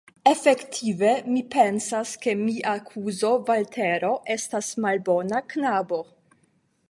Efektive, mi pensas, ke mia kuzo Valtero estas malbona knabo.